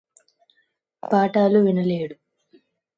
పాఠాలు వినలేడు